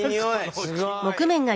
すごい！